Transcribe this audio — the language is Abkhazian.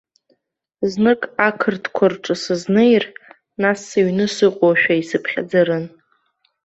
Знык ақырҭқәа рҿы сызнеир, нас сыҩны сыҟоушәа исыԥхьаӡарын.